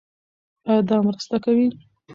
ایا دا مرسته کوي؟